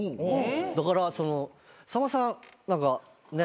だからさんまさん何かねっ。